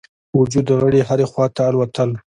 وجود غړي هري خواته الوتل.